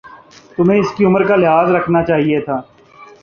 تمہیں اسکی عمر کا لحاظ رکھنا چاہیۓ تھا